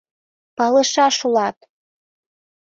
— Палышаш улат!..